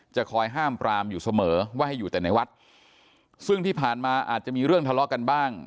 คอยห้ามปรามอยู่เสมอว่าให้อยู่แต่ในวัดซึ่งที่ผ่านมาอาจจะมีเรื่องทะเลาะกันบ้าง